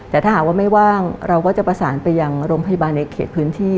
แต่ถ้าหากว่าไม่ว่างเราก็จะประสานไปยังโรงพยาบาลในเขตพื้นที่